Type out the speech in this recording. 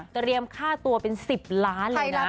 เตรียมค่าตัวเป็น๑๐ล้านเลยนะ